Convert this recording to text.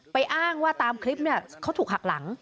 อ้างว่าตามคลิปเนี่ยเขาถูกหักหลัง